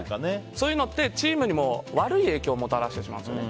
そういうのってチームにも悪い影響をもたらしてしまうんですね。